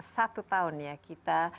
satu tahun ya kita